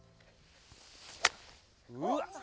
うわっ。